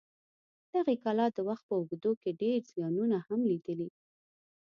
دغې کلا د وخت په اوږدو کې ډېر زیانونه هم لیدلي.